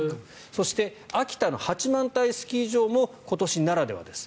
そして、秋田の八幡平スキー場も今年ならではです。